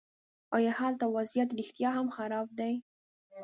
ایا هلته وضعیت رښتیا هم خراب دی.